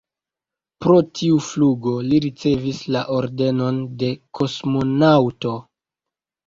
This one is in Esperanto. Pro tiu flugo li ricevis la Ordenon de kosmonaŭto.